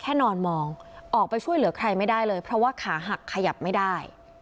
นอนมองออกไปช่วยเหลือใครไม่ได้เลยเพราะว่าขาหักขยับไม่ได้